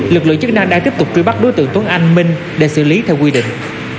lực lượng chức năng đang tiếp tục truy bắt đối tượng tuấn anh minh để xử lý theo quy định